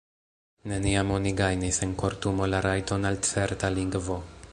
Neniam oni gajnis en kortumo la rajton al certa lingvo